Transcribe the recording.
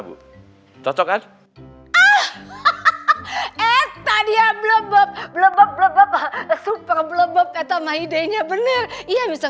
bu cocok kan ah hahaha eta dia blabab blabab blabab super blabab kata mahidenya bener iya bisa